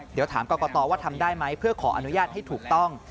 เดี๋ยวถามกรกตว่าทำได้ไหมเพื่อขออนุญาตให้ถูกต้อง